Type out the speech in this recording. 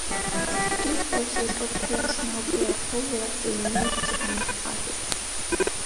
The forces of Chaos now bear all that they need to unearth it.